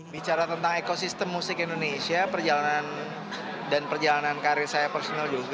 bicara tentang ekosistem musik indonesia dan perjalanan karir saya personal juga